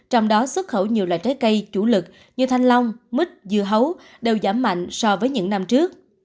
trong đó xuất khẩu nhiều loại trái cây chủ lực như thanh long mít dưa hấu đều giảm mạnh so với những năm trước